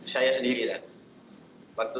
saya sendiri pak